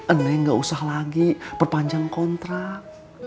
anne gak usah lagi perpanjang kontrak